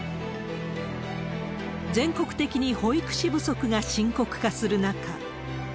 全国的に保育士不足が深刻化する中。